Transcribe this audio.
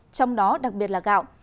trong đó đặc biệt là gạo